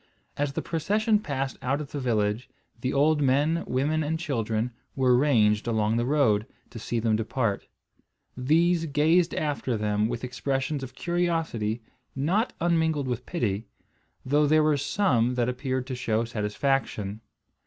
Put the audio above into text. As the procession passed out of the village, the old men, women, and children were ranged along the road, to see them depart. These gazed after them with expressions of curiosity, not unmingled with pity, though there were some that appeared to show satisfaction.